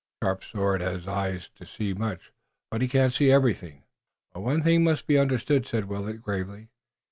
"Sharp Sword has eyes to see much, but he cannot see everything." "But one thing must be understood," said Willet, gravely.